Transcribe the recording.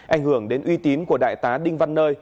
ảnh hưởng đến uy tín của đại tá đinh văn nơi